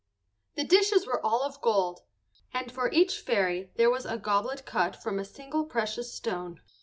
The dishes were all of gold, and for each fairy there was a goblet cut from a single precious stone.